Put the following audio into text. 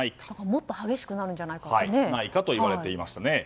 もっと激しくなるんじゃないかといわれていましたね。